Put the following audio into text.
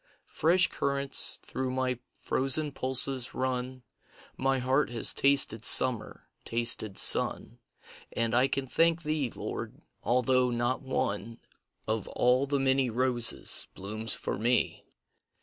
Fresh currents through my frozen pulses run; My heart has tasted summer, tasted sun, And I can thank Thee, Lord, although not one Of all the many roses blooms for me.